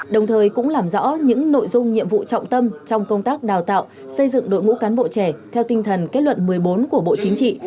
đồng thời cũng làm rõ những nội dung nhiệm vụ trọng tâm trong công tác đào tạo xây dựng đội ngũ cán bộ trẻ theo tinh thần kết luận một mươi bốn của bộ chính trị